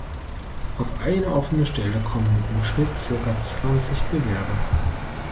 Auf eine offene Stelle kommen im Schnitt circa zwanzig Bewerber.